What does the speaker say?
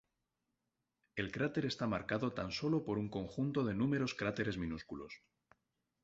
El cráter está marcado tan solo por un conjunto de números cráteres minúsculos.